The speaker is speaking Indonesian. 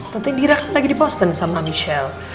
tante indira kan lagi di boston sama michelle